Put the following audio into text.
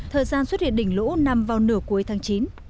thời gian xuất hiện đỉnh lũ nằm vào nửa cuối tháng chín